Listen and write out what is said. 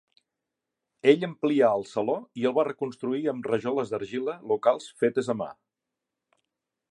Ell amplià el saló i el va reconstruir amb rajoles d'argila locals fetes a mà